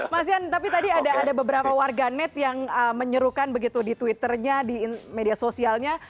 mas yan tapi tadi ada beberapa warganet yang menyerukan begitu di twitternya di media sosialnya